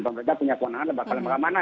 pemerintah punya kewenangan lembaga lembaga mana